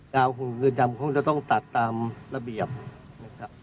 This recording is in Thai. เรือนจำเขาจะต้องตัดตามระเบียบนะครับ